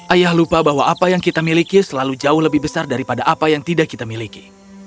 ayah lupa bahwa apa yang kita miliki selalu jauh lebih besar daripada apa yang tidak kita miliki